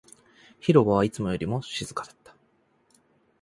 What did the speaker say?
広場はいつもよりも静かだった